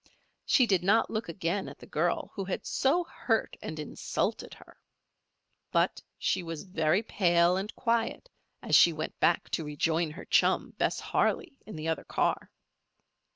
She did not look again at the girl who had so hurt and insulted her. But she was very pale and quiet as she went back to rejoin her chum, Bess Harley, in the other car.